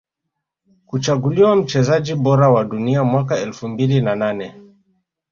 Kuchaguliwa mchezaji bora wa Dunia mwaka elfu mbili na nane